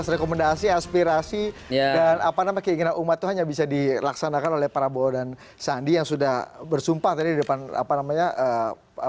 tujuh belas rekomendasi aspirasi dan keinginan umat itu hanya bisa dilaksanakan oleh para bawa dan sandi yang sudah bersumpah tadi di depan para ulama